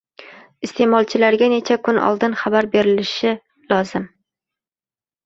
iste’molchilarga necha kun oldin xabar berishi lozim?